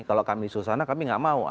kalau kami susahnya kami tidak mau